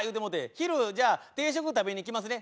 昼じゃあ定食食べに来ますね。